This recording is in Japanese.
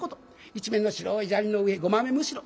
一面の白い砂利の上ごまめむしろ。